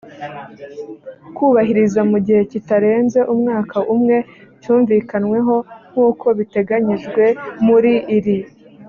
kubahiriza mu gihe kitarenze umwaka umwe cyumvikanweho nk uko biteganyijwe muri iri